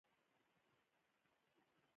د شاهاسماعيل بابا زيارت دهلمند په ګرمسير کی دی